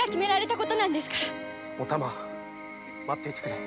待っていてくれ。